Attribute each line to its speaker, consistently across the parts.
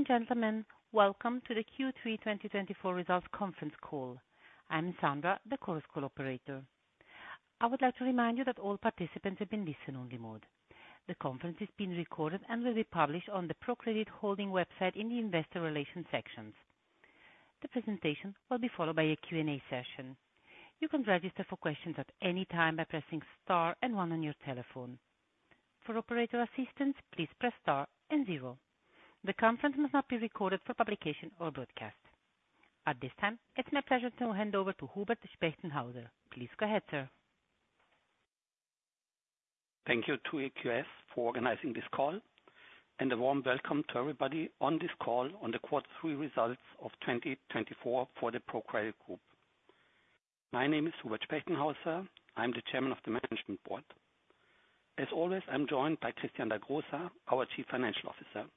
Speaker 1: Ladies and gentlemen, welcome to the Q3 2024 results conference call. I am Sandra, the Chorus Call operator. I would like to remind you that all participants have been in listen-only mode. The conference is being recorded and will be published on the ProCredit Holding website in the investor relations section. The presentation will be followed by a Q&A session. You can register for questions at any time by pressing star and one on your telephone. For operator assistance, please press star and zero. The conference must not be recorded for publication or broadcast. At this time, it is my pleasure to hand over to Hubert Spechtenhauser. Please go ahead, sir.
Speaker 2: Thank you to AQS for organizing this call, and a warm welcome to everybody on this call on the quarter three results of 2024 for the ProCredit group. My name is Hubert Spechtenhauser. I am the Chairperson of the Management Board. As always, I am joined by Christian Dagrosa, our Chief Financial Officer.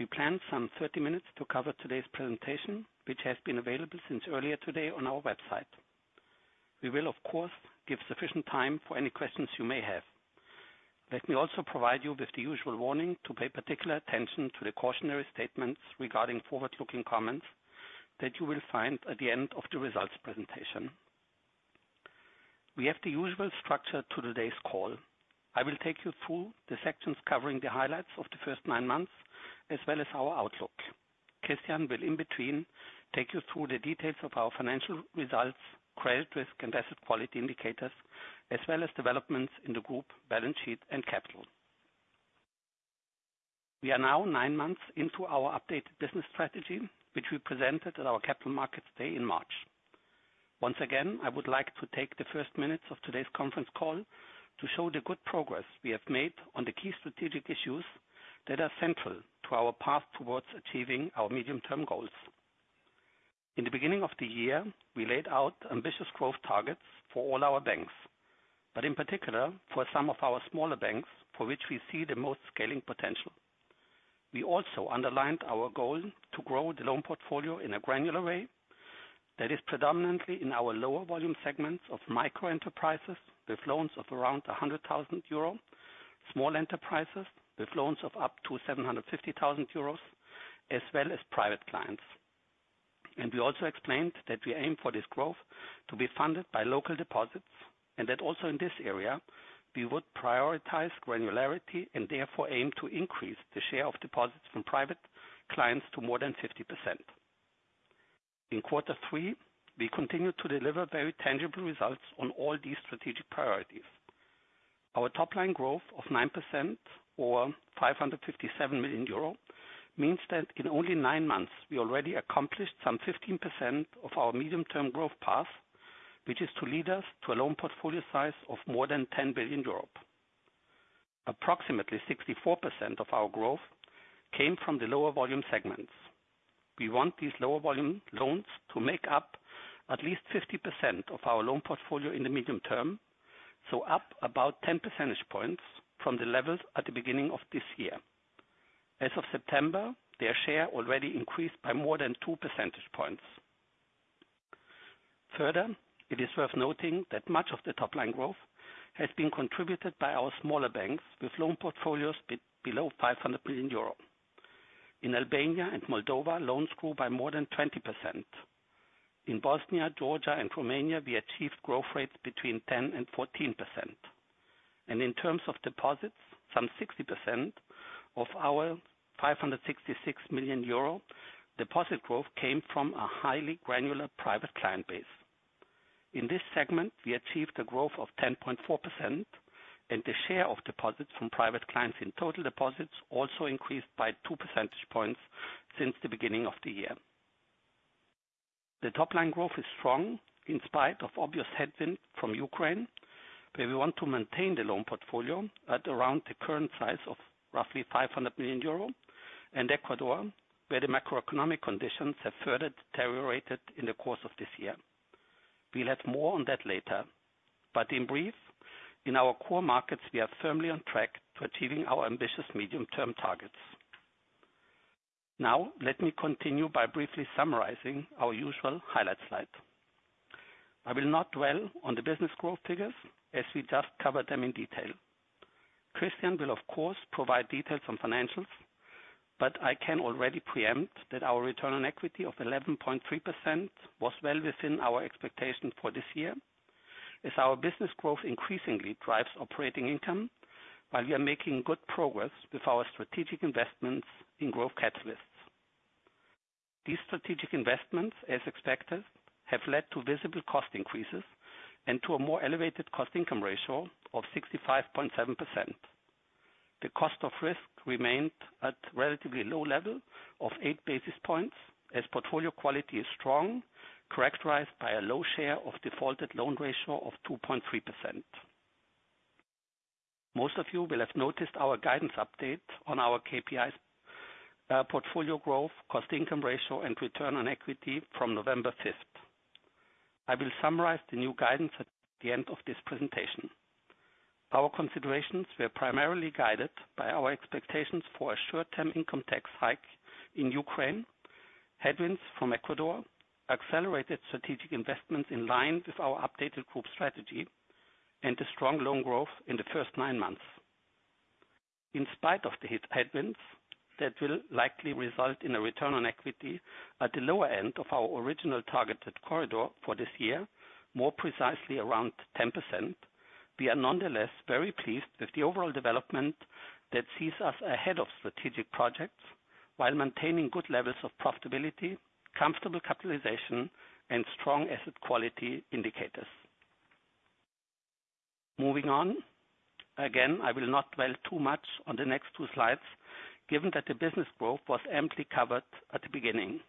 Speaker 2: We planned some 30 minutes to cover today's presentation, which has been available since earlier today on our website. We will, of course, give sufficient time for any questions you may have. Let me also provide you with the usual warning to pay particular attention to the cautionary statements regarding forward-looking comments that you will find at the end of the results presentation. We have the usual structure to today's call. I will take you through the sections covering the highlights of the first nine months, as well as our outlook. Christian will, in between, take you through the details of our financial results, credit risk, and asset quality indicators, as well as developments in the group balance sheet and capital. We are now nine months into our updated business strategy, which we presented at our Capital Markets Day in March. Once again, I would like to take the first minutes of today's conference call to show the good progress we have made on the key strategic issues that are central to our path towards achieving our medium-term goals. In the beginning of the year, we laid out ambitious growth targets for all our banks, but in particular for some of our smaller banks for which we see the most scaling potential. We also underlined our goal to grow the loan portfolio in a granular way that is predominantly in our lower volume segments of micro-enterprises with loans of around 100,000 euro, small enterprises with loans of up to 750,000 euros, as well as private clients. And we also explained that we aim for this growth to be funded by local deposits and that also in this area, we would prioritize granularity and therefore aim to increase the share of deposits from private clients to more than 50%. In quarter three, we continued to deliver very tangible results on all these strategic priorities. Our top-line growth of 9% or 557 million euro means that in only nine months, we already accomplished some 15% of our medium-term growth path, which is to lead us to a loan portfolio size of more than 10 billion euros. Approximately 64% of our growth came from the lower volume segments. We want these lower volume loans to make up at least 50% of our loan portfolio in the medium term, so up about 10 percentage points from the levels at the beginning of this year. As of September, their share already increased by more than two percentage points. Further, it is worth noting that much of the top-line growth has been contributed by our smaller banks with loan portfolios below 500 million euro. In Albania and Moldova, loans grew by more than 20%. In Bosnia, Georgia, and Romania, we achieved growth rates between 10% and 14%. In terms of deposits, some 60% of our 566 million euro deposit growth came from a highly granular private client base. In this segment, we achieved a growth of 10.4% and the share of deposits from private clients in total deposits also increased by two percentage points since the beginning of the year. The top-line growth is strong in spite of obvious headwind from Ukraine, where we want to maintain the loan portfolio at around the current size of roughly 500 million euro, and Ecuador, where the macroeconomic conditions have further deteriorated in the course of this year. We will have more on that later. In brief, in our core markets, we are firmly on track to achieving our ambitious medium-term targets. Now let me continue by briefly summarizing our usual highlight slide. I will not dwell on the business growth figures as we just covered them in detail. Christian will, of course, provide details on financials, but I can already preempt that our return on equity of 11.3% was well within our expectation for this year, as our business growth increasingly drives operating income while we are making good progress with our strategic investments in growth catalysts. These strategic investments, as expected, have led to visible cost increases and to a more elevated cost-income ratio of 65.7%. The cost of risk remained at relatively low level of eight basis points as portfolio quality is strong, characterized by a low share of defaulted loan ratio of 2.3%. Most of you will have noticed our guidance update on our KPIs, portfolio growth, cost-income ratio, and return on equity from November 5th. I will summarize the new guidance at the end of this presentation. Our considerations were primarily guided by our expectations for a short-term income tax hike in Ukraine. Headwinds from Ecuador accelerated strategic investments in line with our updated group strategy and a strong loan growth in the first nine months. In spite of these headwinds, that will likely result in a return on equity at the lower end of our original targeted corridor for this year, more precisely around 10%, we are nonetheless very pleased with the overall development that sees us ahead of strategic projects while maintaining good levels of profitability, comfortable capitalization and strong asset quality indicators. Moving on. Again, I will not dwell too much on the next two slides, given that the business growth was amply covered at the beginning.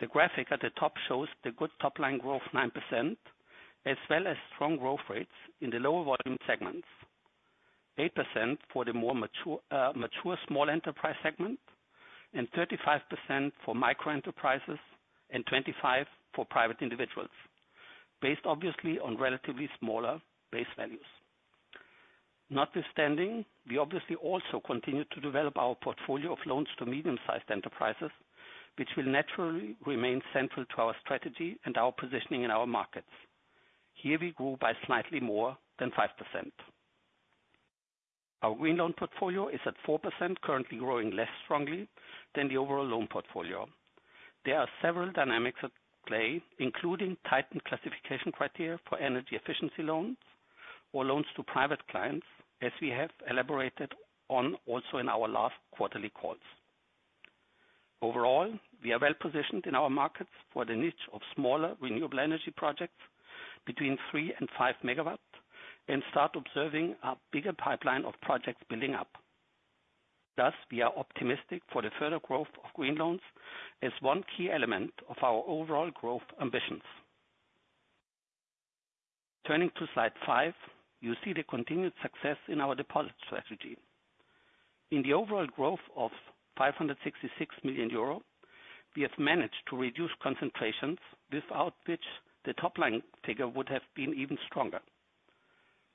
Speaker 2: The graphic at the top shows the good top-line growth 9%, as well as strong growth rates in the lower volume segments, 8% for the more mature small enterprise segment and 35% for micro-enterprises and 25% for private individuals, based obviously on relatively smaller base values. Notwithstanding, we obviously also continue to develop our portfolio of loans to medium-sized enterprises, which will naturally remain central to our strategy and our positioning in our markets. Here we grew by slightly more than 5%. Our green loan portfolio is at 4%, currently growing less strongly than the overall loan portfolio. There are several dynamics at play, including tightened classification criteria for energy efficiency loans or loans to private clients, as we have elaborated on also in our last quarterly calls. Overall, we are well-positioned in our markets for the niche of smaller renewable energy projects between three and five megawatts and start observing a bigger pipeline of projects building up. We are optimistic for the further growth of green loans as one key element of our overall growth ambitions. Turning to slide five. You see the continued success in our deposit strategy. In the overall growth of 566 million euro, we have managed to reduce concentrations, without which the top-line figure would have been even stronger.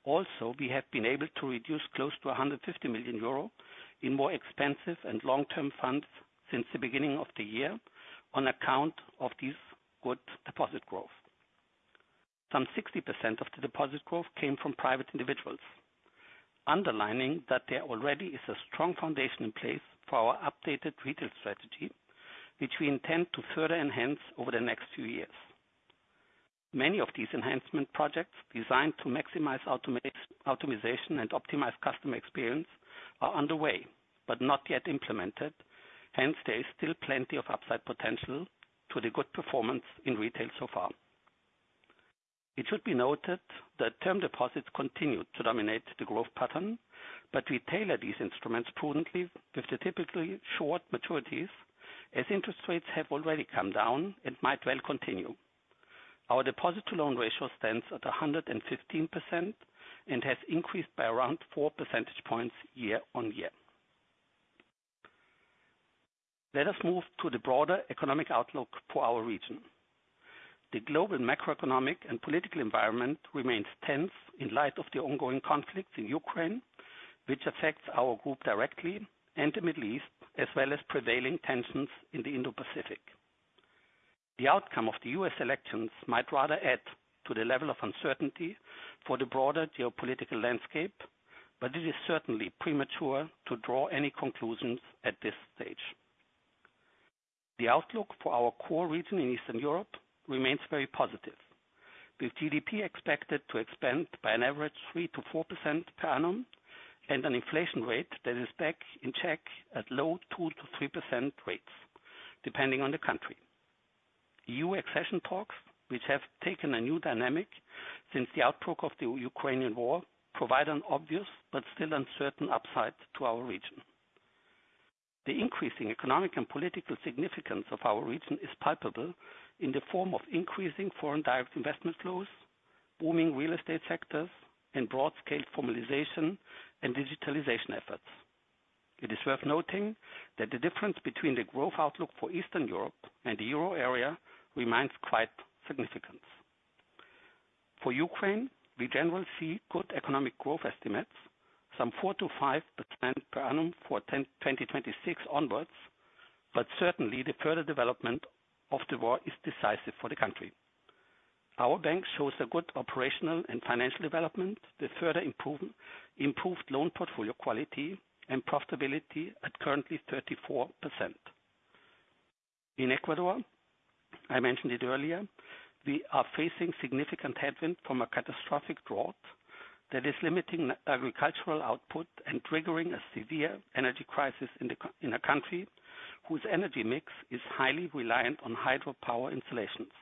Speaker 2: Also we have been able to reduce close to 150 million euro in more expensive and long-term funds since the beginning of the year on account of this good deposit growth. Some 60% of the deposit growth came from private individuals, underlining that there already is a strong foundation in place for our updated retail strategy, which we intend to further enhance over the next few years. Many of these enhancement projects designed to maximize automatization and optimize customer experience are underway but not yet implemented. There is still plenty of upside potential to the good performance in retail so far. It should be noted that term deposits continued to dominate the growth pattern, but we tailor these instruments prudently with the typically short maturities as interest rates have already come down and might well continue. Our deposit to loan ratio stands at 115% and has increased by around four percentage points year-on-year. Let us move to the broader economic outlook for our region. The global macroeconomic and political environment remains tense in light of the ongoing conflicts in Ukraine, which affects our group directly and the Middle East, as well as prevailing tensions in the Indo-Pacific. The outcome of the U.S. elections might rather add to the level of uncertainty for the broader geopolitical landscape, but it is certainly premature to draw any conclusions at this stage. The outlook for our core region in Eastern Europe remains very positive, with GDP expected to expand by an average 3% to 4% per annum and an inflation rate that is back in check at low 2% to 3% rates, depending on the country. EU accession talks, which have taken a new dynamic since the outbreak of the Ukrainian war, provide an obvious but still uncertain upside to our region. The increasing economic and political significance of our region is palpable in the form of increasing foreign direct investment flows, booming real estate sectors, and broad-scale formalization and digitalization efforts. It is worth noting that the difference between the growth outlook for Eastern Europe and the Euro area remains quite significant. For Ukraine, we generally see good economic growth estimates, some 4% to 5% per annum for 2026 onwards, but certainly the further development of the war is decisive for the country. Our bank shows a good operational and financial development with further improved loan portfolio quality and profitability at currently 34%. In Ecuador, I mentioned it earlier, we are facing significant headwind from a catastrophic drought that is limiting agricultural output and triggering a severe energy crisis in a country whose energy mix is highly reliant on hydropower installations.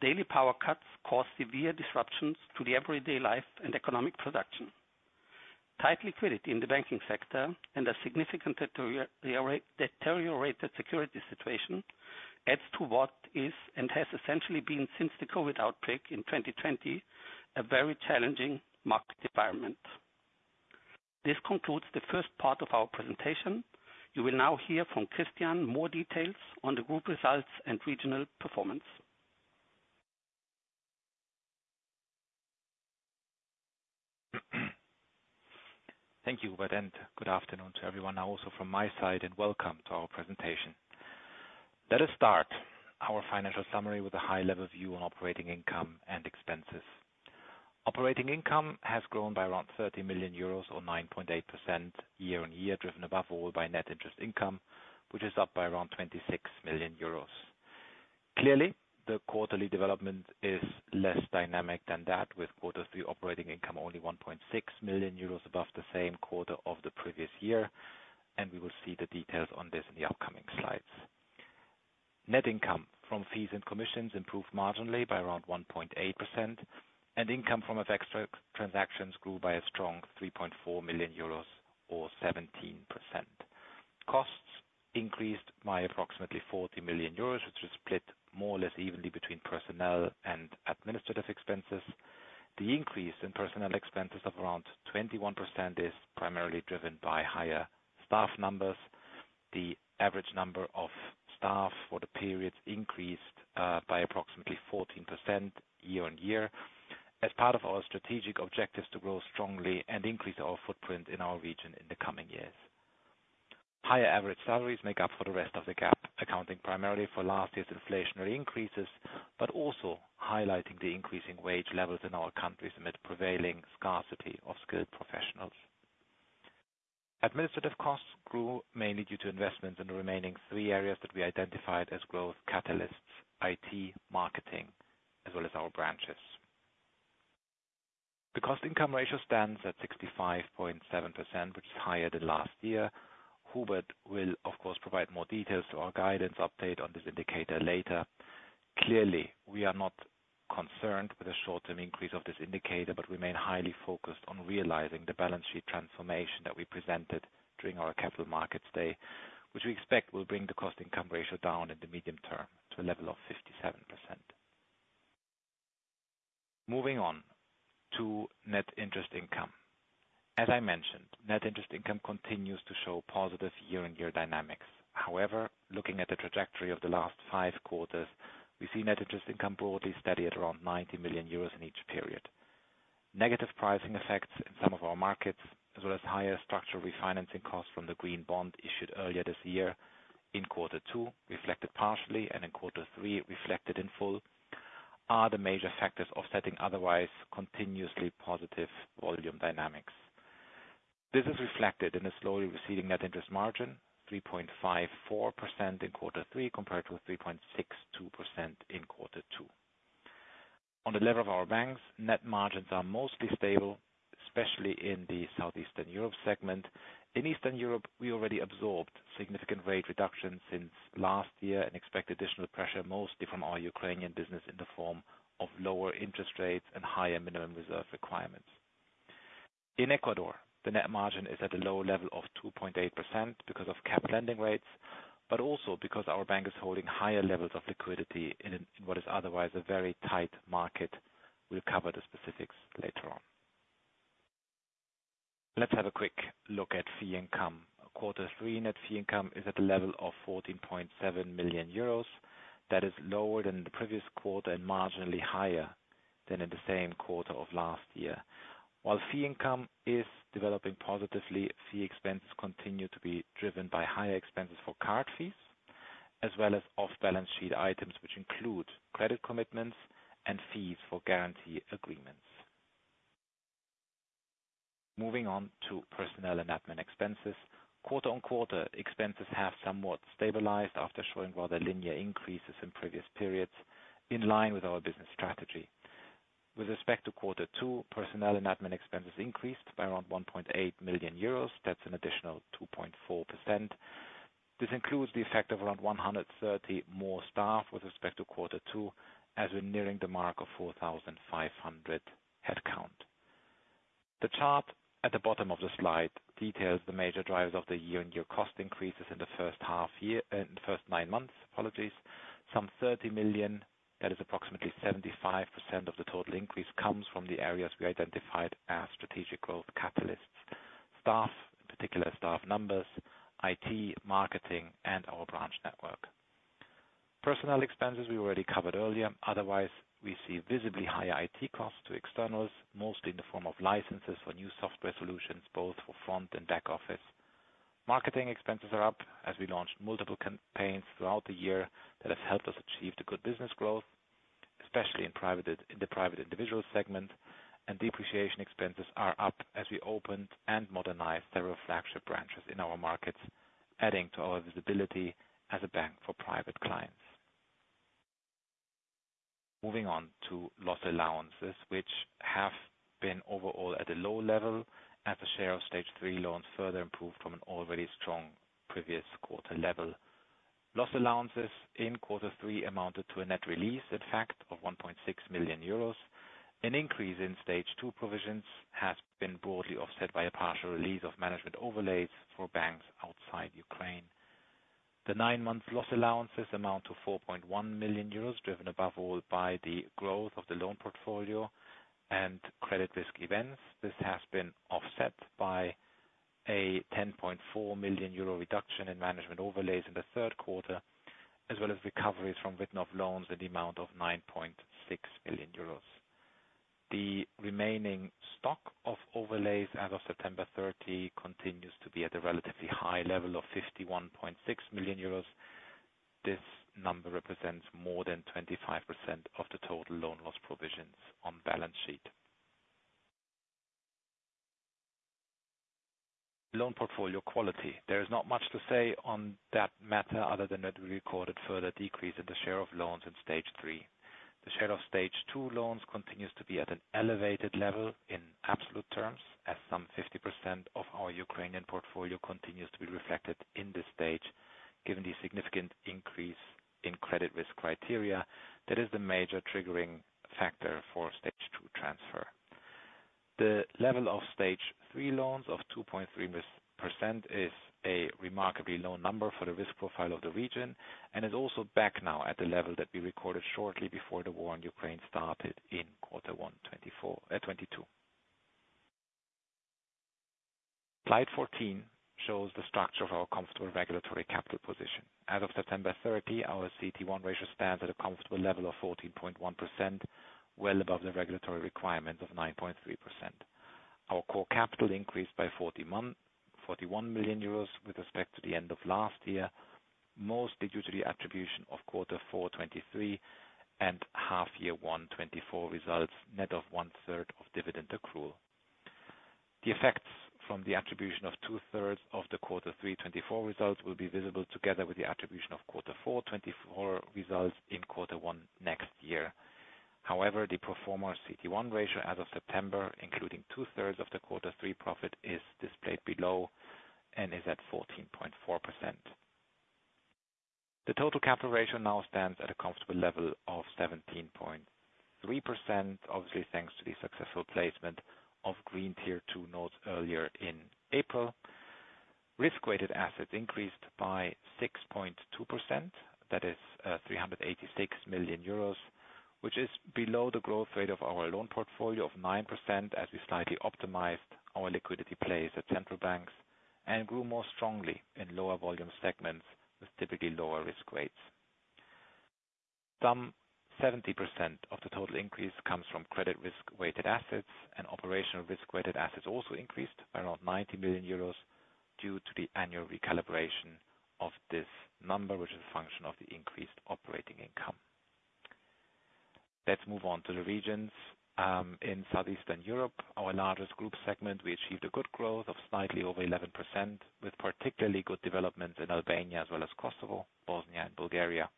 Speaker 2: Daily power cuts cause severe disruptions to the everyday life and economic production. Tight liquidity in the banking sector and a significant deteriorated security situation adds to what is and has essentially been since the COVID outbreak in 2020, a very challenging market environment. This concludes the first part of our presentation. You will now hear from Christian more details on the group results and regional performance.
Speaker 3: Thank you, Hubert, and good afternoon to everyone also from my side, and welcome to our presentation. Let us start our financial summary with a high-level view on operating income and expenses. Operating income has grown by around 30 million euros or 9.8% year on year, driven above all by net interest income, which is up by around 26 million euros. Clearly, the quarterly development is less dynamic than that, with quarter three operating income only 1.6 million euros above the same quarter of the previous year. We will see the details on this in the upcoming slides. Net income from fees and commissions improved marginally by around 1.8%. Income from effect transactions grew by a strong 3.4 million euros or 17%. Costs increased by approximately 40 million euros, which was split more or less evenly between personnel and administrative expenses. The increase in personnel expenses of around 21% is primarily driven by higher staff numbers. The average number of staff for the periods increased by approximately 14% year on year as part of our strategic objectives to grow strongly and increase our footprint in our region in the coming years. Higher average salaries make up for the rest of the gap, accounting primarily for last year's inflationary increases, but also highlighting the increasing wage levels in our countries amid prevailing scarcity of skilled professionals. Administrative costs grew mainly due to investments in the remaining three areas that we identified as growth catalysts: IT, marketing, as well as our branches. The cost-income ratio stands at 65.7%, which is higher than last year. Hubert will, of course, provide more details to our guidance update on this indicator later. Clearly, we are not concerned with a short-term increase of this indicator, but remain highly focused on realizing the balance sheet transformation that we presented during our Capital Markets Day, which we expect will bring the cost-income ratio down in the medium term to a level of 57%. Moving on to net interest income. As I mentioned, net interest income continues to show positive year-on-year dynamics. However, looking at the trajectory of the last five quarters, we see net interest income broadly steady at around €90 million in each period. Negative pricing effects in some of our markets, as well as higher structural refinancing costs from the green bond issued earlier this year in quarter two reflected partially, and in quarter three reflected in full, are the major factors offsetting otherwise continuously positive volume dynamics. This is reflected in a slowly receding net interest margin, 3.54% in quarter three compared to 3.62% in quarter two. On the level of our banks, net margins are mostly stable, especially in the Southeastern Europe segment. In Eastern Europe, we already absorbed significant rate reductions since last year and expect additional pressure, mostly from our Ukrainian business, in the form of lower interest rates and higher minimum reserve requirements. In Ecuador, the net margin is at a low level of 2.8% because of capped lending rates, but also because our bank is holding higher levels of liquidity in what is otherwise a very tight market. We will cover the specifics later on. Let's have a quick look at fee income. Quarter three net fee income is at the level of €14.7 million. That is lower than the previous quarter and marginally higher than in the same quarter of last year. While fee income is developing positively, fee expenses continue to be driven by higher expenses for card fees, as well as off-balance sheet items, which include credit commitments and fees for guarantee agreements. Moving on to personnel and admin expenses. Quarter-on-quarter, expenses have somewhat stabilized after showing rather linear increases in previous periods, in line with our business strategy. With respect to quarter two, personnel and admin expenses increased by around €1.8 million. That's an additional 2.4%. This includes the effect of around 130 more staff with respect to quarter two, as we're nearing the mark of 4,500 headcount. The chart at the bottom of the slide details the major drivers of the year-on-year cost increases in the first nine months. Some 30 million, that is approximately 75% of the total increase, comes from the areas we identified as strategic growth catalysts. Staff, in particular staff numbers, IT, marketing, and our branch network. Personnel expenses we already covered earlier. Otherwise, we see visibly higher IT costs to externals, mostly in the form of licenses for new software solutions, both for front and back office. Marketing expenses are up as we launched multiple campaigns throughout the year that have helped us achieve the good business growth, especially in the private individual segment. Depreciation expenses are up as we opened and modernized several flagship branches in our markets, adding to our visibility as a bank for private clients. Moving on to loss allowances, which have been overall at a low level as the share of Stage three loans further improved from an already strong previous quarter level. Loss allowances in quarter three amounted to a net release, in fact, of €1.6 million. An increase in Stage two provisions has been broadly offset by a partial release of management overlays for banks outside Ukraine. The nine-month loss allowances amount to 4.1 million euros, driven above all by the growth of the loan portfolio and credit risk events. This has been offset by a 10.4 million euro reduction in management overlays in the Q3. as well as recoveries from written-off loans in the amount of 9.6 million euros. The remaining stock of overlays as of September 30 continues to be at a relatively high level of 51.6 million euros. This number represents more than 25% of the total loan loss provisions on balance sheet. Loan portfolio quality. There is not much to say on that matter other than that we recorded a further decrease in the share of loans in Stage three. The share of Stage two loans continues to be at an elevated level in absolute terms, as some 50% of our Ukrainian portfolio continues to be reflected in this stage, given the significant increase in credit risk criteria, that is the major triggering factor for Stage two transfer. The level of Stage three loans of 2.3% is a remarkably low number for the risk profile of the region, and is also back now at the level that we recorded shortly before the war on Ukraine started in quarter one 2022. Slide 14 shows the structure of our comfortable regulatory capital position. As of September 30, our CET1 ratio stands at a comfortable level of 14.1%, well above the regulatory requirement of 9.3%. Our core capital increased by 41 million euros with respect to the end of last year, mostly due to the attribution of quarter four 2023 and half year one 2024 results, net of one-third of dividend accrual. The effects from the attribution of two-thirds of the quarter three 2024 results will be visible together with the attribution of quarter four 2024 results in quarter one next year. However, the pro forma CET1 ratio as of September, including two-thirds of the quarter three profit, is displayed below and is at 14.4%. The total capital ratio now stands at a comfortable level of 17.3%, obviously thanks to the successful placement of Green Tier two notes earlier in April. Risk-weighted assets increased by 6.2%, that is 386 million euros, which is below the growth rate of our loan portfolio of 9% as we slightly optimized our liquidity plays at central banks and grew more strongly in lower volume segments with typically lower risk weights. Some 70% of the total increase comes from credit risk-weighted assets, and operational risk-weighted assets also increased by around 90 million euros due to the annual recalibration of this number, which is a function of the increased operating income. Let's move on to the regions. In Southeastern Europe, our largest group segment, we achieved a good growth of slightly over 11%, with particularly good development in Albania as well as Kosovo, Bosnia and Bulgaria.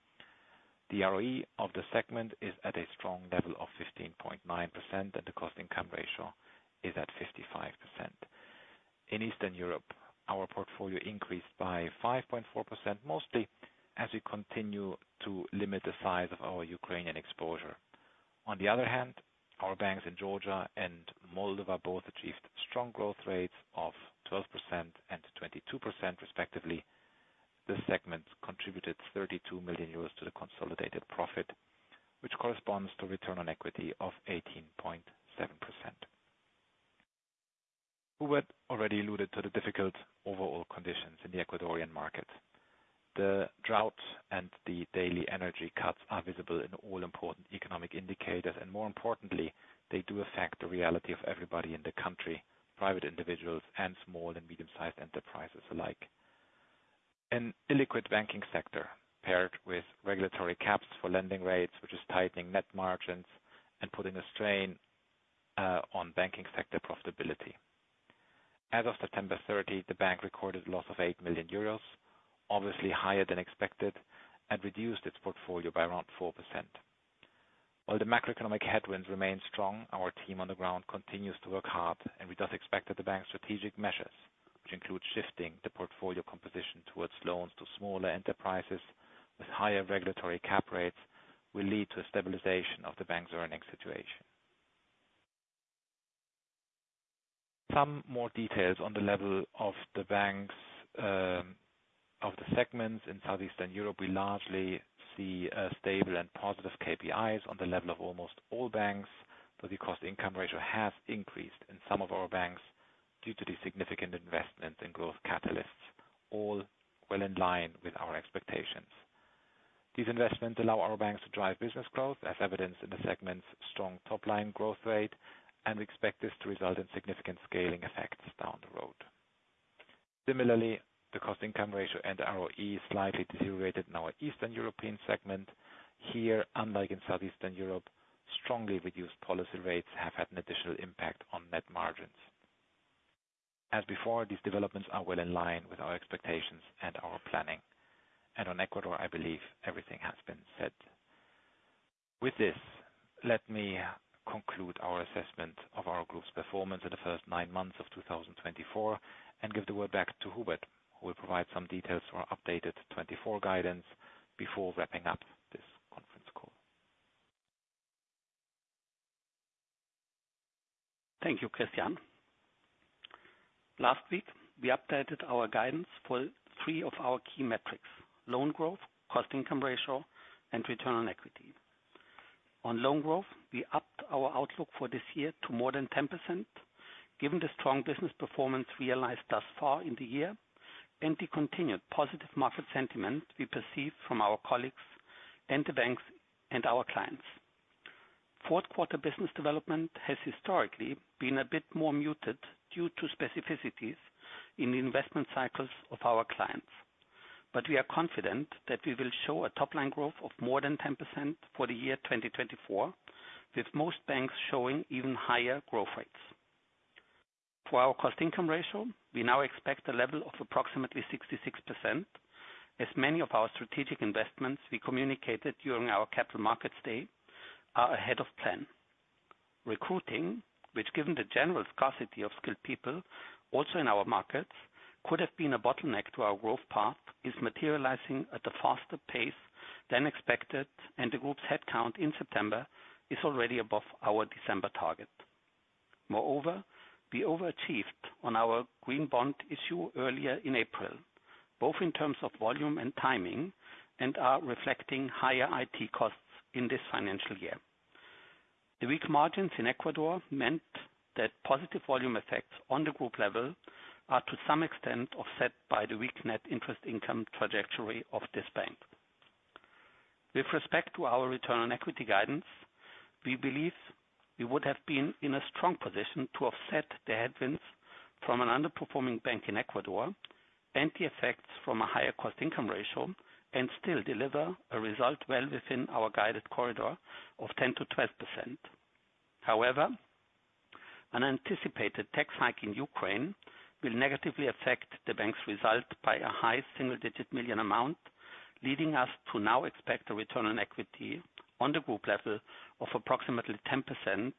Speaker 3: The ROE of the segment is at a strong level of 15.9%, and the cost-income ratio is at 55%. In Eastern Europe, our portfolio increased by 5.4%, mostly as we continue to limit the size of our Ukrainian exposure. On the other hand, our banks in Georgia and Moldova both achieved strong growth rates of 12% and 22% respectively. This segment contributed 32 million euros to the consolidated profit, which corresponds to return on equity of 18.7%. Hubert already alluded to the difficult overall conditions in the Ecuadorian market. The drought and the daily energy cuts are visible in all important economic indicators, and more importantly, they do affect the reality of everybody in the country, private individuals and small and medium-sized enterprises alike. An illiquid banking sector, paired with regulatory caps for lending rates, which is tightening net margins and putting a strain on banking sector profitability. As of September 30, the bank recorded a loss of 8 million euros, obviously higher than expected, and reduced its portfolio by around 4%. While the macroeconomic headwinds remain strong, our team on the ground continues to work hard, and we thus expect that the bank's strategic measures, which include shifting the portfolio composition towards loans to smaller enterprises with higher regulatory cap rates, will lead to a stabilization of the bank's earning situation. Some more details on the level of the banks. Of the segments in Southeastern Europe, we largely see stable and positive KPIs on the level of almost all banks, though the cost-income ratio has increased in some of our banks due to the significant investment in growth catalysts, all well in line with our expectations. These investments allow our banks to drive business growth, as evidenced in the segment's strong top-line growth rate, and we expect this to result in significant scaling effects down the road. Similarly, the cost-income ratio and ROE slightly deteriorated in our Eastern European segment. Here, unlike in Southeastern Europe, strongly reduced policy rates have had an additional impact on net margins. As before, these developments are well in line with our expectations and our planning. On Ecuador, I believe everything has been said. With this, let me conclude our assessment of our group's performance in the first nine months of 2024 and give the word back to Hubert, who will provide some details for our updated 2024 guidance before wrapping up this conference call.
Speaker 2: Thank you, Christian. Last week, we updated our guidance for three of our key metrics: loan growth, cost-income ratio, and return on equity. On loan growth, we upped our outlook for this year to more than 10%, given the strong business performance realized thus far in the year and the continued positive market sentiment we perceive from our colleagues and the banks and our clients. Q4 business development has historically been a bit more muted due to specificities in the investment cycles of our clients. But we are confident that we will show a top-line growth of more than 10% for the year 2024, with most banks showing even higher growth rates. For our cost-income ratio, we now expect a level of approximately 66%, as many of our strategic investments we communicated during our Capital Markets Day are ahead of plan. Recruiting, which given the general scarcity of skilled people also in our markets, could have been a bottleneck to our growth path, is materializing at a faster pace than expected, and the group's headcount in September is already above our December target. We overachieved on our green bond issue earlier in April, both in terms of volume and timing, and are reflecting higher IT costs in this financial year. The weak margins in Ecuador meant that positive volume effects on the group level are to some extent offset by the weak net interest income trajectory of this bank. With respect to our return on equity guidance, we believe we would have been in a strong position to offset the headwinds from an underperforming bank in Ecuador and the effects from a higher cost-income ratio and still deliver a result well within our guided corridor of 10% to 12%. An anticipated tax hike in Ukraine will negatively affect the bank's result by a high single-digit million amount, leading us to now expect a return on equity on the group level of approximately 10%,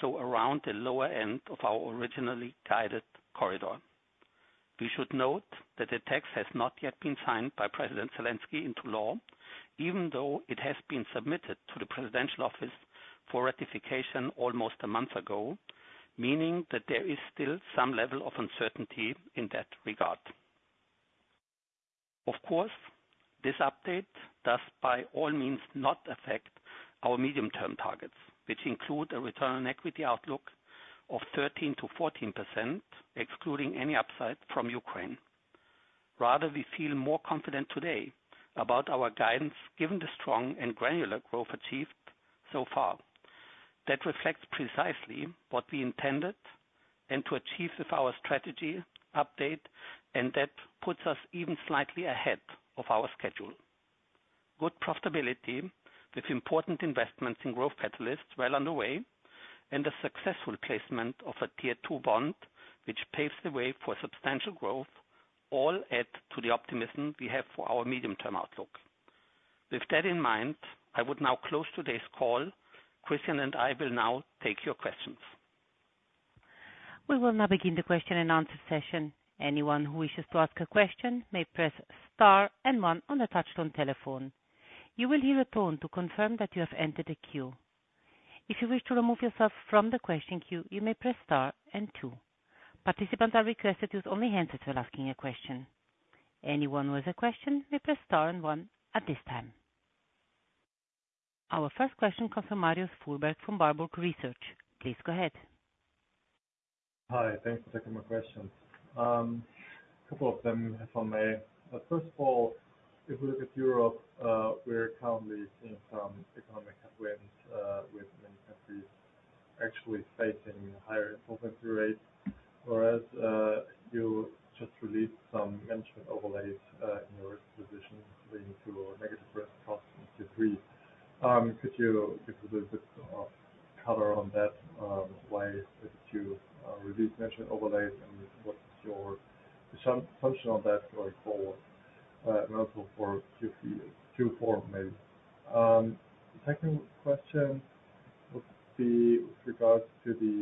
Speaker 2: so around the lower end of our originally guided corridor. We should note that the tax has not yet been signed by President Zelenskyy into law, even though it has been submitted to the presidential office for ratification almost a month ago, meaning that there is still some level of uncertainty in that regard. Of course this update does by all means not affect our medium-term targets, which include a return on equity outlook of 13% to 14%, excluding any upside from Ukraine. We feel more confident today about our guidance given the strong and granular growth achieved so far. That reflects precisely what we intended and to achieve with our strategy update, that puts us even slightly ahead of our schedule. Good profitability with important investments in growth catalysts well underway and a successful placement of a Tier two bond, which paves the way for substantial growth, all add to the optimism we have for our medium-term outlook. With that in mind, I would now close today's call. Christian and I will now take your questions.
Speaker 1: We will now begin the question and answer session. Anyone who wishes to ask a question may press Star and One on a touch-tone telephone. You will hear a tone to confirm that you have entered the queue. If you wish to remove yourself from the question queue, you may press Star and Two. Participants are requested to use only hands-free when asking a question. Anyone with a question may press Star and One at this time. Our first question comes from Marius Fuhrberg from Warburg Research. Please go ahead.
Speaker 4: Hi. Thanks for taking my questions. Couple of them if I may. First of all, if we look at Europe, we are currently seeing some economic headwinds, with many countries actually facing higher insolvency rates. Whereas you just released some management overlays, in your risk position leading to a negative risk cost in Q3. Could you give a little bit of color on that, why you reduced management overlays and what is your assumption on that going forward? Also for Q4 maybe. The second question would be with regards to the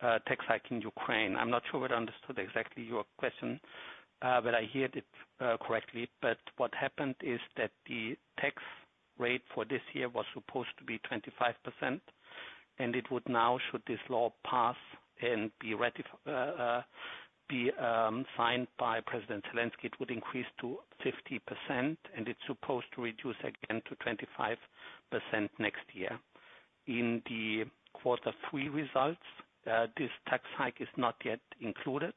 Speaker 2: tax hike in Ukraine. I am not sure whether I understood exactly your question, but I heard it correctly. What happened is that the tax rate for this year was supposed to be 25%, and it would now, should this law pass and be signed by President Zelenskyy, it would increase to 50%, and it's supposed to reduce again to 25% next year. In the quarter three results, this tax hike is not yet included.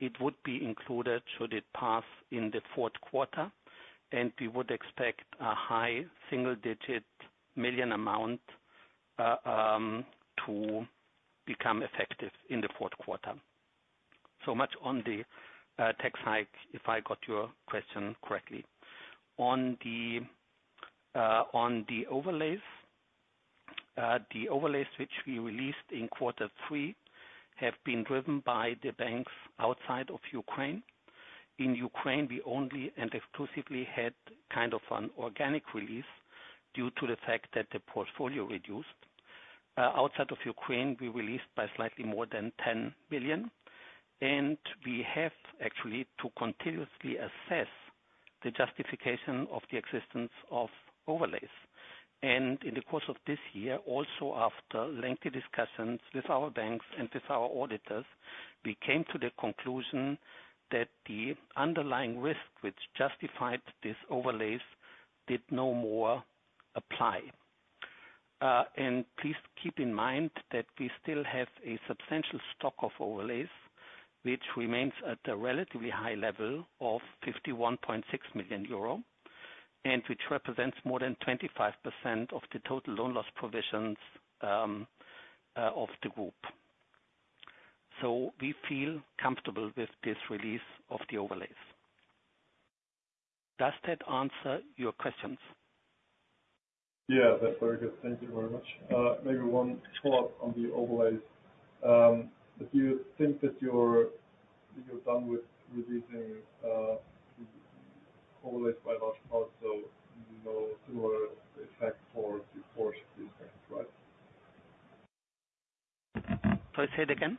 Speaker 2: It would be included should it pass in the Q4, and we would expect a high single-digit million amount to become effective in the Q4. So much on the tax hike, if I got your question correctly. On the overlays. The overlays which we released in quarter three have been driven by the banks outside of Ukraine. In Ukraine, we only and exclusively had an organic release due to the fact that the portfolio reduced. Outside of Ukraine, we released by slightly more than 10 billion. We have actually to continuously assess the justification of the existence of overlays. In the course of this year, also after lengthy discussions with our banks and with our auditors, we came to the conclusion that the underlying risk which justified these overlays did no more apply. Please keep in mind that we still have a substantial stock of overlays, which remains at a relatively high level of 51.6 million euro, and which represents more than 25% of the total loan loss provisions of the group. We feel comfortable with this release of the overlays. Does that answer your questions?
Speaker 4: Yeah, that's very good. Thank you very much. Maybe one follow-up on the overlays. If you think that you're done with releasing overlays by large parts, no similar effect for Q4 should be expected, right?
Speaker 2: Sorry, say it again.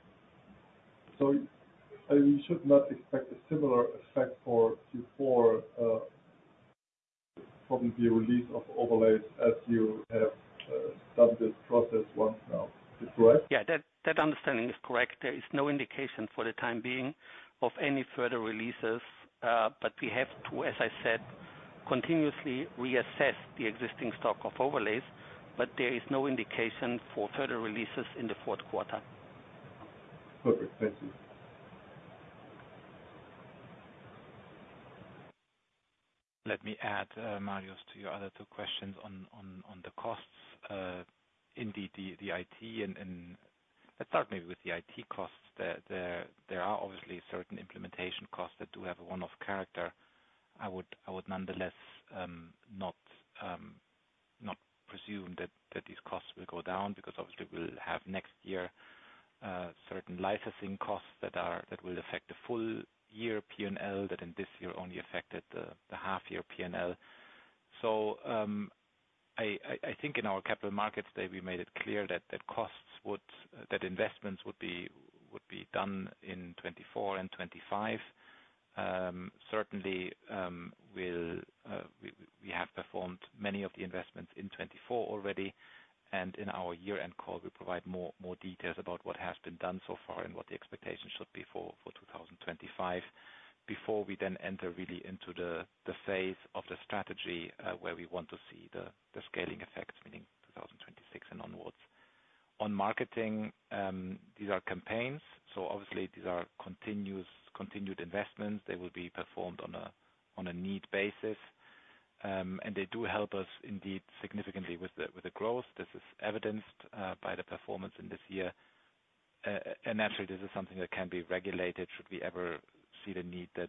Speaker 4: We should not expect a similar effect for Q4 from the release of overlays as you have done this process once now. Is that correct?
Speaker 2: That understanding is correct. There is no indication for the time being of any further releases. We have to, as I said, continuously reassess the existing stock of overlays, but there is no indication for further releases in the Q4.
Speaker 4: Perfect. Thank you.
Speaker 3: Let me add, Marius, to your other two questions on the costs. Indeed, let's start maybe with the IT costs. There are obviously certain implementation costs that do have a one-off character. I would nonetheless not presume that these costs will go down because obviously we'll have next year certain licensing costs that will affect the full-year P&L that in this year only affected the half-year P&L. So I think in our Capital Markets Day, we made it clear that investments would be done in 2024 and 2025. Certainly, we have performed many of the investments in 2024 already, and in our year-end call, we provide more details about what has been done so far and what the expectations should be for 2025 before we then enter really into the phase of the strategy where we want to see the scaling effects, meaning 2026 and onwards. On marketing, these are campaigns, obviously these are continued investments. They will be performed on a need basis, and they do help us indeed significantly with the growth. This is evidenced by the performance in this year. Naturally, this is something that can be regulated should we ever see the need that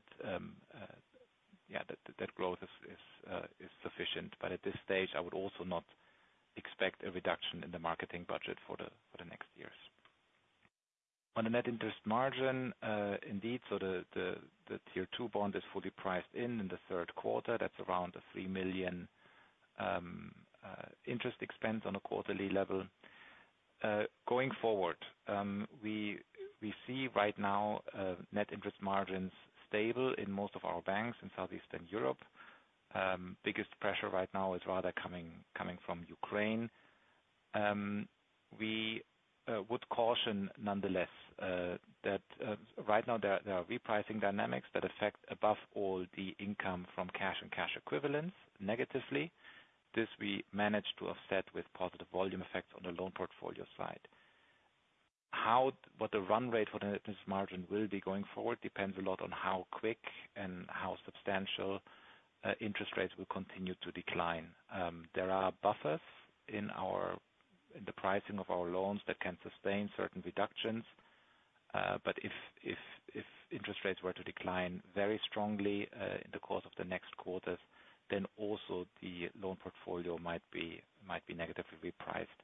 Speaker 3: growth is sufficient. At this stage, I would also not expect a reduction in the marketing budget for the next years. On the net interest margin, indeed, the Tier two bond is fully priced in in the Q3. That's around a 3 million interest expense on a quarterly level. Going forward, we see right now net interest margins stable in most of our banks in Southeastern Europe. Biggest pressure right now is rather coming from Ukraine. We would caution nonetheless that right now there are repricing dynamics that affect above all the income from cash and cash equivalents negatively. This we managed to offset with positive volume effects on the loan portfolio side. What the run rate for the net interest margin will be going forward depends a lot on how quick and how substantial interest rates will continue to decline. There are buffers in the pricing of our loans that can sustain certain reductions. If interest rates were to decline very strongly in the course of the next quarters, then also the loan portfolio might be negatively repriced.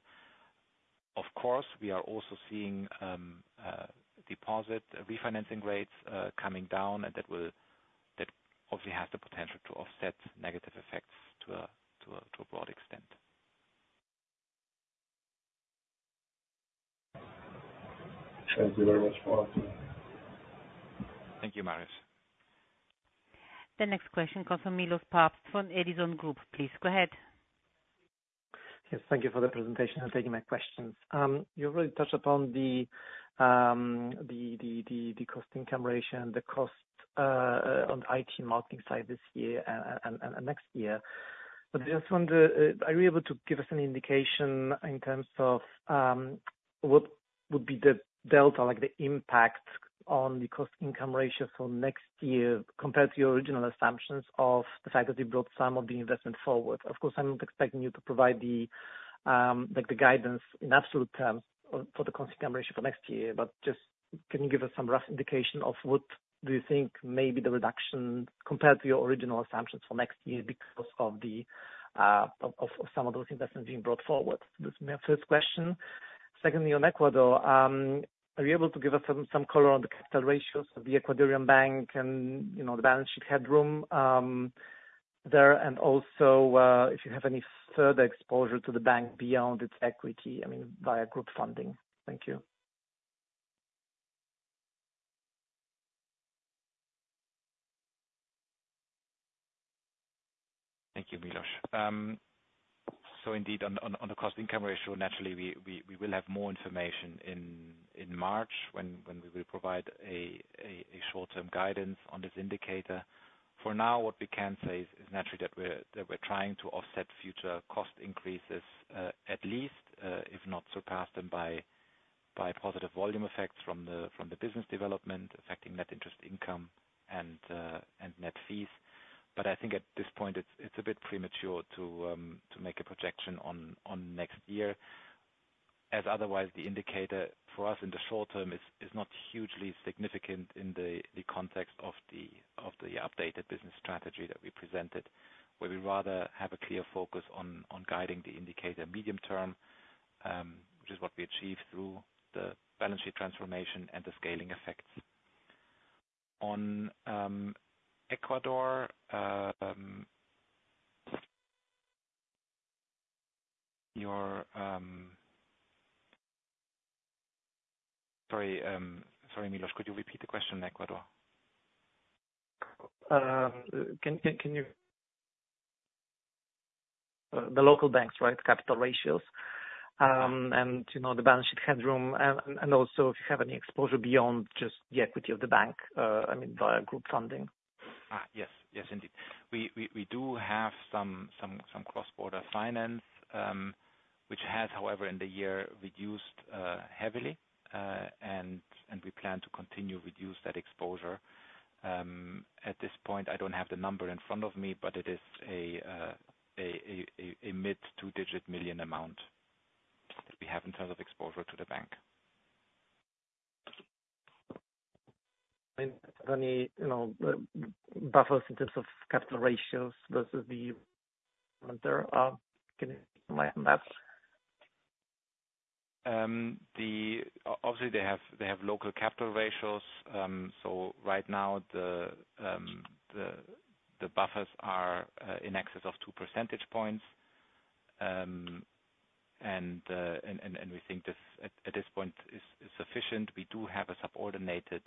Speaker 3: Of course, we are also seeing deposit refinancing rates coming down, that obviously has the potential to offset negative effects to a broad extent.
Speaker 4: Thank you very much, Marius.
Speaker 3: Thank you, Marius.
Speaker 1: The next question comes from Milosz Papst from Edison Group. Please go ahead.
Speaker 5: Yes, thank you for the presentation and taking my questions. You've really touched upon the cost-income ratio and the cost on the IT marketing side this year and next year. I just wonder, are you able to give us any indication in terms of what would be the delta, the impact on the cost-income ratio for next year compared to your original assumptions of the fact that you brought some of the investment forward? Of course, I'm not expecting you to provide the guidance in absolute terms for the cost-income ratio for next year, but just, can you give us some rough indication of what you think may be the reduction compared to your original assumptions for next year because of some of those investments being brought forward? This is my first question. Secondly, on Ecuador, are you able to give us some color on the capital ratios of the Ecuadorian bank and the balance sheet headroom there and also, if you have any further exposure to the bank beyond its equity, I mean, via group funding? Thank you.
Speaker 3: Thank you, Milosz. Indeed, on the cost-income ratio, naturally, we will have more information in March when we will provide a short-term guidance on this indicator. For now, what we can say is naturally that we're trying to offset future cost increases, at least, if not surpass them by positive volume effects from the business development, affecting net interest income and net fees. I think at this point, it's a bit premature to make a projection on next year, as otherwise, the indicator for us in the short term is not hugely significant in the context of the updated business strategy that we presented, where we rather have a clear focus on guiding the indicator medium term, which is what we achieve through the balance sheet transformation and the scaling effects. On Ecuador, sorry, Milosz, could you repeat the question on Ecuador?
Speaker 5: The local banks, right? Capital ratios, and the balance sheet headroom, and also if you have any exposure beyond just the equity of the bank, I mean via group funding.
Speaker 3: Yes. Yes, indeed. We do have some cross-border finance, which has, however, in the year reduced heavily, and we plan to continue to reduce that exposure. At this point, I don't have the number in front of me, but it is a mid-two-digit million amount that we have in terms of exposure to the bank.
Speaker 5: Any buffers in terms of capital ratios versus the can you remind on that?
Speaker 3: Obviously, they have local capital ratios. Right now the buffers are in excess of two percentage points. We think at this point it's sufficient. We do have a subordinated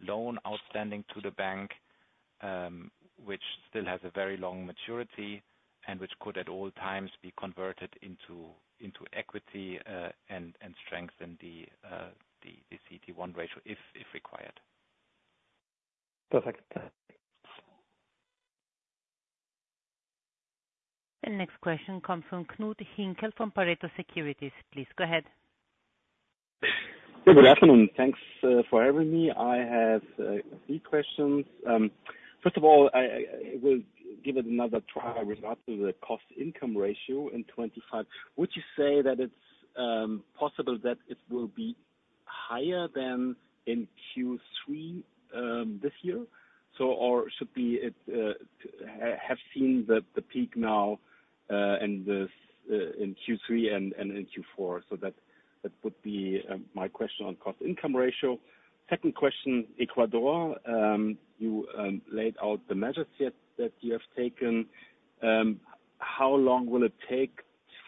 Speaker 3: loan outstanding to the bank, which still has a very long maturity and which could at all times be converted into equity, and strengthen the CET1 ratio if required.
Speaker 5: Perfect.
Speaker 1: The next question comes from Knud Hinkel from Pareto Securities. Please go ahead.
Speaker 6: Good afternoon. Thanks for having me. I have three questions. First of all, I will give it another try with regards to the cost-income ratio in 2025. Would you say that it's possible that it will be higher than in Q3 this year? Should we have seen the peak now in Q3 and in Q4? That would be my question on cost-income ratio. Second question, Ecuador, you laid out the measures that you have taken. How long will it take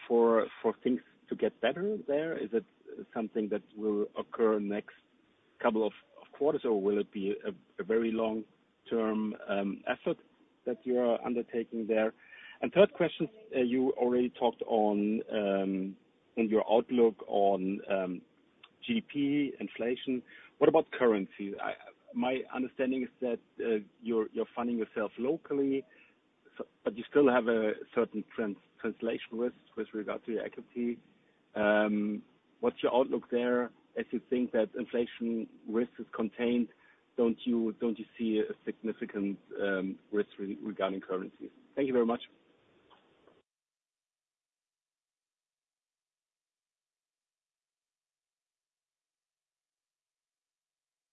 Speaker 6: for things to get better there? Is it something that will occur next couple of quarters, or will it be a very long-term effort that you are undertaking there? Third question, you already talked in your outlook on GDP inflation. What about currency? My understanding is that you're funding yourself locally, but you still have a certain translation risk with regard to your equity. What's your outlook there as you think that inflation risk is contained? Don't you see a significant risk regarding currency? Thank you very much.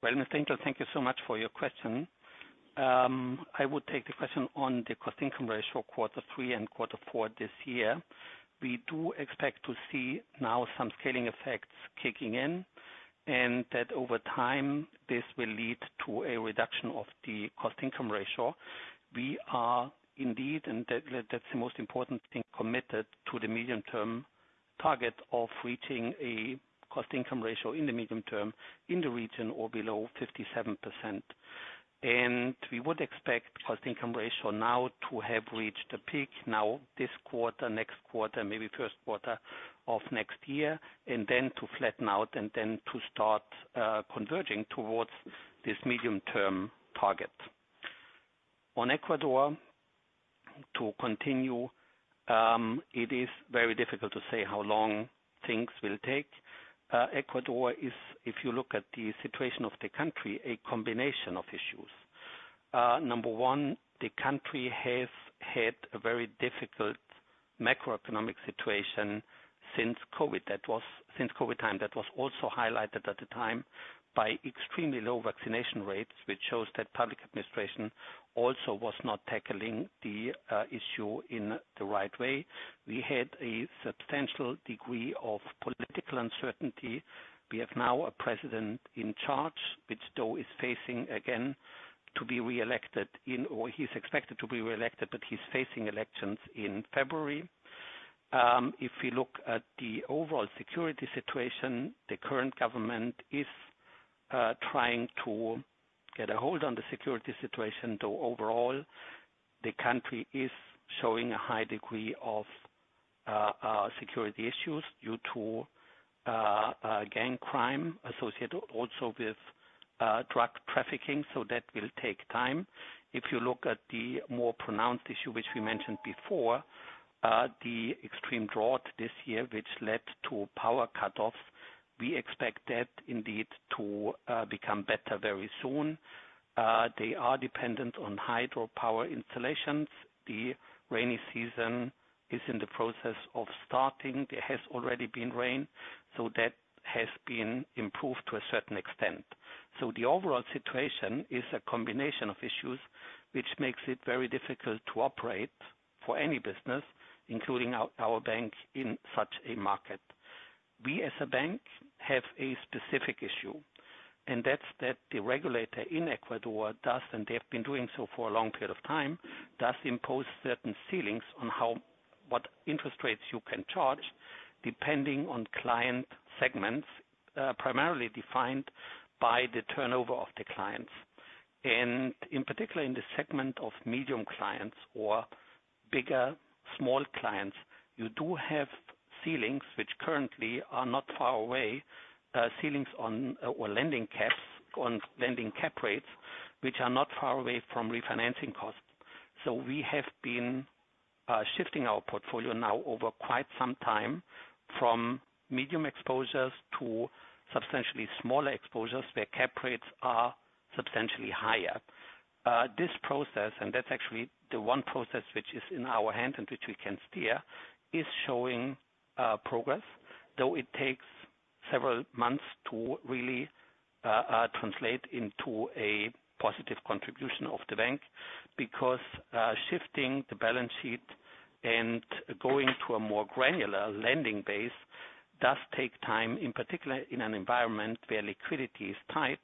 Speaker 2: Well, Mr. Hinkel, thank you so much for your question. I would take the question on the cost-income ratio, quarter three and quarter four this year. We do expect to see now some scaling effects kicking in, and that over time, this will lead to a reduction of the cost-income ratio. We are indeed, and that's the most important thing, committed to the medium-term target of reaching a cost-income ratio in the medium term in the region or below 57%. We would expect cost-income ratio now to have reached a peak now this quarter, next quarter, maybe Q1 of next year, and then to flatten out and then to start converging towards this medium-term target. On Ecuador, to continue, it is very difficult to say how long things will take. Ecuador is, if you look at the situation of the country, a combination of issues. Number one, the country has had a very difficult macroeconomic situation since COVID time. That was also highlighted at the time by extremely low vaccination rates, which shows that public administration also was not tackling the issue in the right way. We had a substantial degree of political uncertainty. We have now a president in charge, which though is facing again to be reelected, or he's expected to be reelected, but he's facing elections in February. If we look at the overall security situation, the current government is trying to get a hold on the security situation, though overall, the country is showing a high degree of security issues due to gang crime associated also with drug trafficking. That will take time. If you look at the more pronounced issue, which we mentioned before, the extreme drought this year, which led to power cutoffs, we expect that indeed to become better very soon. They are dependent on hydropower installations. The rainy season is in the process of starting. There has already been rain, that has been improved to a certain extent. The overall situation is a combination of issues, which makes it very difficult to operate for any business, including our bank, in such a market. We as a bank have a specific issue, and that's that the regulator in Ecuador does, and they have been doing so for a long period of time, does impose certain ceilings on what interest rates you can charge, depending on client segments, primarily defined by the turnover of the clients. In particular, in the segment of medium clients or bigger small clients, you do have ceilings, which currently are not far away, or lending caps on lending cap rates, which are not far away from refinancing costs. So we have been shifting our portfolio now over quite some time from medium exposures to substantially smaller exposures, where cap rates are substantially higher. This process, and that's actually the one process which is in our hands and which we can steer, is showing progress, though it takes several months to really translate into a positive contribution of the bank, because shifting the balance sheet and going to a more granular lending base does take time, in particular, in an environment where liquidity is tight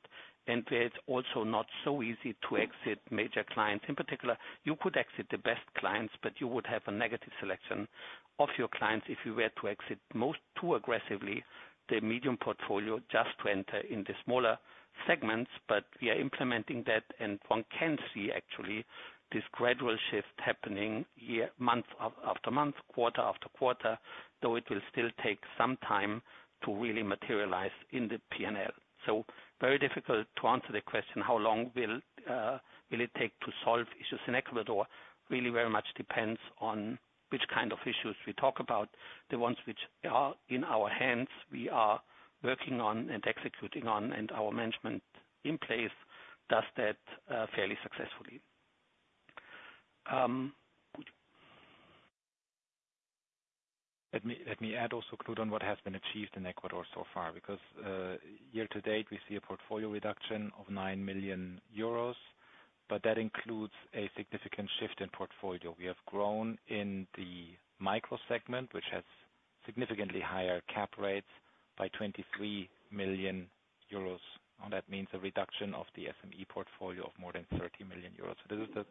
Speaker 2: and where it's also not so easy to exit major clients. In particular, you could exit the best clients, but you would have a negative selection of your clients if you were to exit too aggressively the medium portfolio just to enter in the smaller segments. But we are implementing that, and one can see actually this gradual shift happening month after month, quarter after quarter, though it will still take some time to really materialize in the P&L. So very difficult to answer the question, how long will it take to solve issues in Ecuador? Really very much depends on which kind of issues we talk about. The ones which are in our hands, we are working on and executing on, and our management in place does that fairly successfully.
Speaker 3: Let me add also, Knud, on what has been achieved in Ecuador so far, because year to date, we see a portfolio reduction of 9 million euros. That includes a significant shift in portfolio. We have grown in the micro segment, which has significantly higher cap rates by 23 million euros. That means a reduction of the SME portfolio of more than 30 million euros. This is the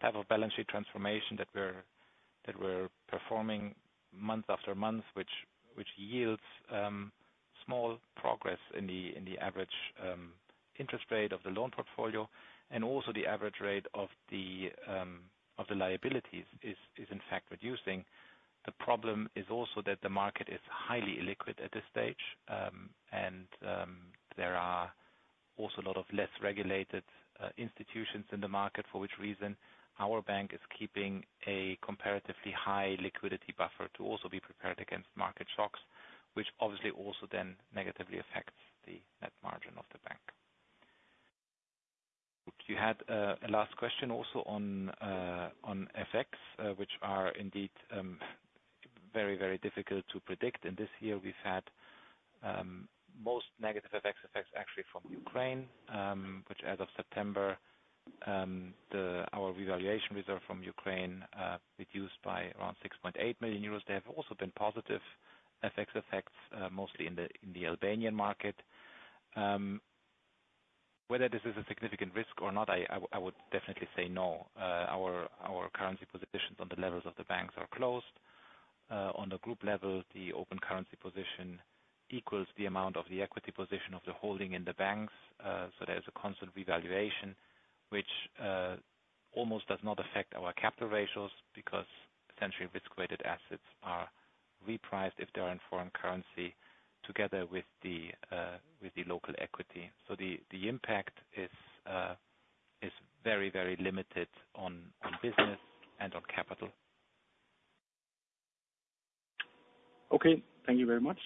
Speaker 3: type of balance sheet transformation that we're performing month after month, which yields small progress in the average interest rate of the loan portfolio, and also the average rate of the liabilities is in fact reducing. The problem is also that the market is highly illiquid at this stage, and there are also a lot of less regulated institutions in the market, for which reason our bank is keeping a comparatively high liquidity buffer to also be prepared against market shocks, which obviously also then negatively affects the net margin of the bank. You had a last question also on FX, which are indeed very difficult to predict. This year we've had most negative FX effects actually from Ukraine, which as of September, our revaluation reserve from Ukraine reduced by around 6.8 million euros. There have also been positive FX effects, mostly in the Albanian market. This is a significant risk or not, I would definitely say no. Our currency positions on the levels of the banks are closed. On the group level, the open currency position equals the amount of the equity position of the holding in the banks. There is a constant revaluation, which almost does not affect our capital ratios because essentially risk-weighted assets are repriced if they are in foreign currency together with the local equity. The impact is very limited on business and on capital.
Speaker 2: Okay. Thank you very much.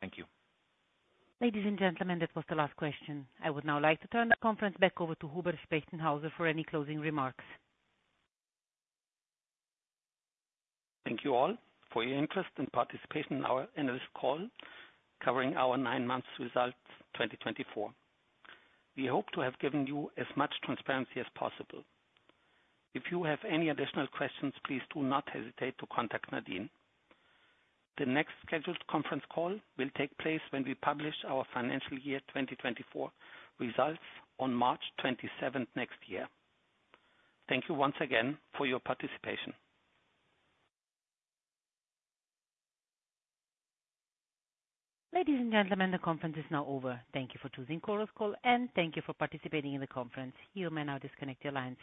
Speaker 3: Thank you.
Speaker 1: Ladies and gentlemen, that was the last question. I would now like to turn the conference back over to Hubert Spechtenhauser for any closing remarks.
Speaker 2: Thank you all for your interest and participation in our analyst call covering our nine months results 2024. We hope to have given you as much transparency as possible. If you have any additional questions, please do not hesitate to contact Nadine. The next scheduled conference call will take place when we publish our financial year 2024 results on March 27th next year. Thank you once again for your participation.
Speaker 1: Ladies and gentlemen, the conference is now over. Thank you for choosing Chorus Call, and thank you for participating in the conference. You may now disconnect your lines.